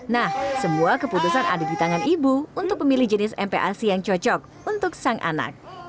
nah semua keputusan ada di tangan ibu untuk memilih jenis mpac yang cocok untuk sang anak